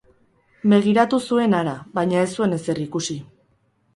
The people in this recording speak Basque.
Begiratu zuen hara, baina ez zuen ezer ikusi.